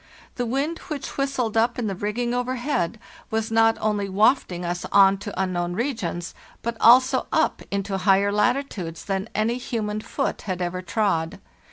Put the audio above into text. The wind which whistled up in the rigging overhead was not only wafting us on to 44 FARTHEST NORTH unknown regions, but also up into higher latitudes than any human foot had ever trod.